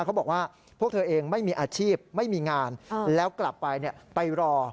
เขาบอกว่าพวกเธอเองไม่มีอาชีพไม่มีงานแล้วกลับไปไปรอ